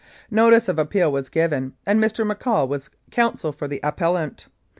Notice of appeal was given, and Mr. McCaul was counsel for the appellant.